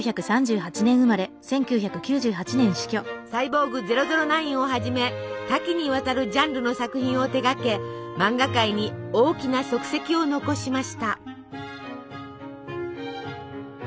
「サイボーグ００９」をはじめ多岐にわたるジャンルの作品を手がけ漫画界に大きな足跡を残しました。